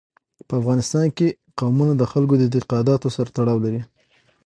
په افغانستان کې قومونه د خلکو د اعتقاداتو سره تړاو لري.